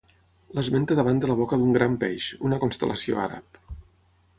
L'esmenta davant de la boca d'un Gran Peix, una constel·lació àrab.